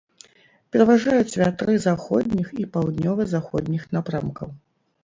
Пераважаюць вятры заходніх і паўднёва-заходніх напрамкаў.